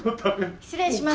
失礼します。